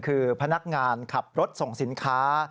คือพนักงานขับรถส่งสินค้า